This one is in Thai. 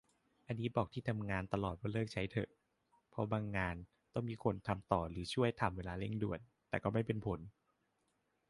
อันนี้บอกที่ทำงานตลอดว่าเลิกใช้เถอะ เพราะบางงานต้องมีคนทำต่อหรือช่วยทำเวลาเร่งด่วน แต่ก็ไม่เป็นผล